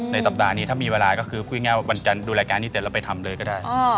สัปดาห์นี้ถ้ามีเวลาก็คือพูดง่ายว่าวันจันทร์ดูรายการนี้เสร็จแล้วไปทำเลยก็ได้